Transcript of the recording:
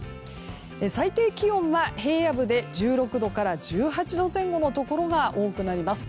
最低気温は平野部で１６度から１８度前後のところが多くなります。